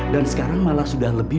dan sekarang malah sudah lebih